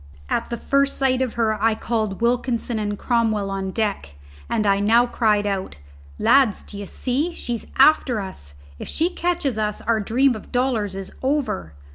At the first sight of her I had called Wilkinson and Cromwell on deck, and I now cried out, "Lads, d'ye see, she's after us. If she catches us our dream of dollars is over.